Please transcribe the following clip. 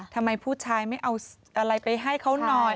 ทำไมผู้ชายไม่เอาอะไรไปให้เขาหน่อย